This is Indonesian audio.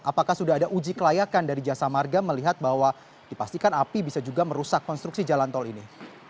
apakah sudah ada uji kelayakan dari jasa marga melihat bahwa dipastikan api bisa juga merusak konstruksi jalan tol ini